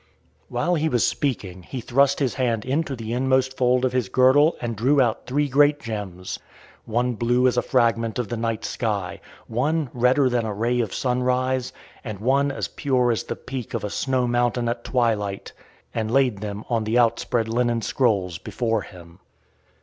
While he was speaking he thrust his hand into the inmost fold of his girdle and drew out three great gems one blue as a fragment of the night sky, one redder than a ray of sunrise, and one as pure as the peak of a snow mountain at twilight and laid them on the outspread linen scrolls before him.